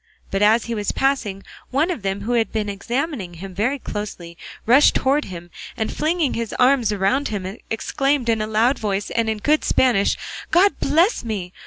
But as he was passing, one of them who had been examining him very closely rushed towards him, and flinging his arms round him exclaimed in a loud voice and good Spanish, "God bless me!